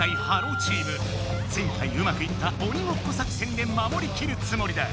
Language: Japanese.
チーム前回うまくいった「鬼ごっこ作戦」でまもりきるつもりだ。